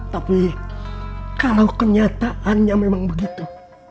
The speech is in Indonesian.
tapi kalau kenyataannya memang begitu